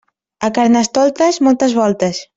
A Carnestoltes, moltes voltes.